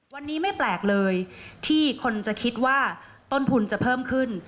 วันนี้ไม่แปลกเลยที่คนจะคิดว่าต้นทุนจะเพิ่มขึ้น